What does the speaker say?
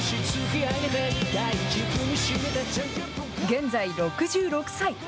現在６６歳。